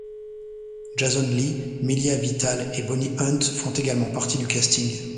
Jason Lee, Mili Avital et Bonnie Hunt font également partie du casting.